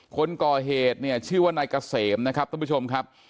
คนก่อเหตุเนี่ยชื่อว่านายเกษมนะครับท่านผู้ชมครับ